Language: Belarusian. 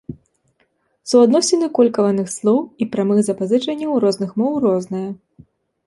Суадносіны калькаваных слоў і прамых запазычанняў у розных моў рознае.